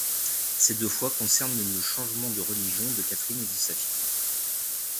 Ces deux fois concernent le changement de religion de Catherine et de sa fille.